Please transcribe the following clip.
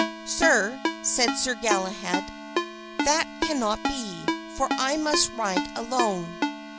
"Sir," said Sir Galahad, "that cannot be, for I must ride alone."